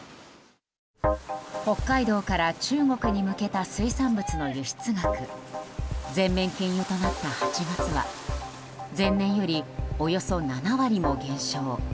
北海道から中国に向けた水産物の輸出額全面禁輸となった８月は前年よりおよそ７割も減少。